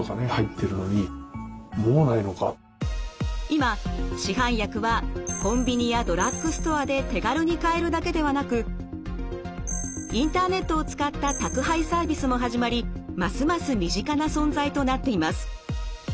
今市販薬はコンビニやドラッグストアで手軽に買えるだけではなくインターネットを使った宅配サービスも始まりますます身近な存在となっています。